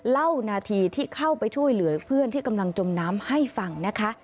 เล่านาทีที่เข้าไปช่วยเหลือเพื่อนที่กำลังจมน้ำให้ฟังนะคะ